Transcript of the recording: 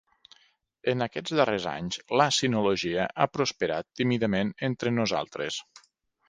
En aquests darrers anys la sinologia ha prosperat tímidament entre nosaltres.